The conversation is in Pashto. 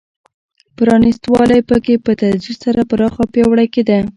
پرانېست والی په کې په تدریج سره پراخ او پیاوړی کېده.